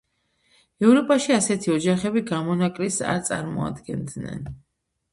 ევროპაში ასეთი ოჯახები გამონაკლისს არ წარმოადგენდნენ.